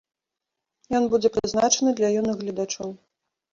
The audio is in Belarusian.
Ён будзе прызначаны для юных гледачоў.